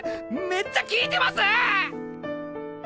めっちゃ聴いてます！